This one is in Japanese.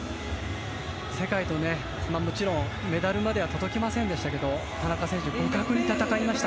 世界と、メダルまでは届きませんでしたけど田中選手、互角に戦いました。